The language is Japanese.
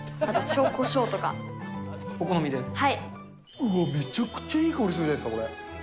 うわっ、めちゃくちゃいい香りするじゃないですか、これ。